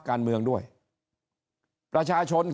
ก็มาเมืองไทยไปประเทศเพื่อนบ้านใกล้เรา